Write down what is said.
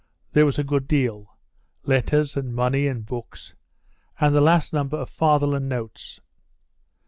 There was a good deal: letters, and money, and books, and the last number of Fatherland Notes.